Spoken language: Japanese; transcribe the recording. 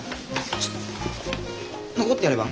ちょ残ってやれば？